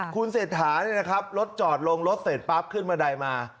คุณเศรษฐารถจอดลงรถเสร็จปั๊บขึ้นบันไดมา